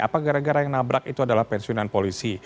apa gara gara yang nabrak itu adalah pensiunan polisi